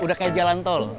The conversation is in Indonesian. udah kayak jalan tol